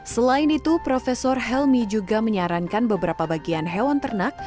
selain itu prof helmi juga menyarankan beberapa bagian hewan ternak